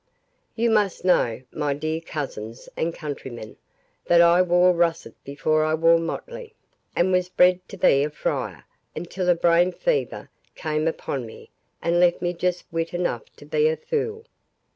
You must know, my dear cousins and countrymen, that I wore russet before I wore motley, and was bred to be a friar, until a brain fever came upon me and left me just wit enough to be a fool.